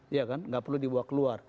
iya kan nggak perlu dibawa keluar